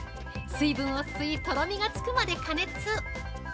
水分を吸い、とろみがつくまで加熱！